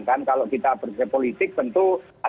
kan kalau kita berada di politik tentu